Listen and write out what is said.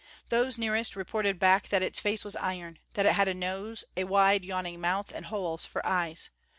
Those nearest reported back that its face was iron; that it had a nose, a wide, yawning mouth, and holes for eyes.